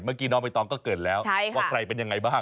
เมื่อกี้น้องใบตองก็เกิดแล้วว่าใครเป็นยังไงบ้าง